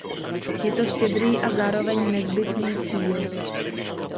Je to štědrý a zároveň nezbytný cíl.